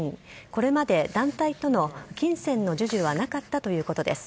これまで団体との金銭の授受はなかったということです。